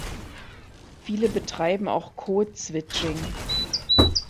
Viele betreiben auch "Code-Switching".